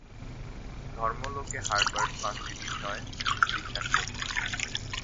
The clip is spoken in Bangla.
ধর্ম লোকে হারবার্ট পাঁচটি বিষয় বিশ্বাস করতেন